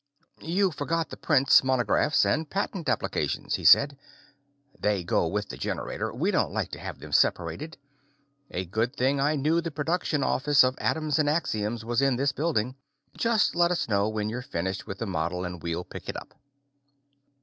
"You forgot the prints, monograph, and patent applications," he says. "They go with the generator we don't like to have them separated. A good thing I knew the production office of 'Atoms and Axioms' was in this building. Just let us know when you're finished with the model and we'll pick it up."